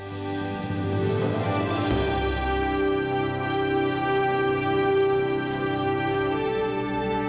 dia priaeda sama aku juga